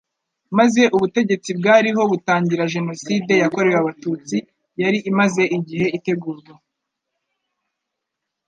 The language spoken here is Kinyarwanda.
maze ubutegetsi bwariho butangira Jenoside yakorewe Abatutsi yari imaze igihe itegurwa.